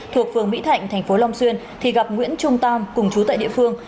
thuộc phường mỹ thạnh tp long xuyên thì gặp nguyễn trung tam cùng chú tại địa phương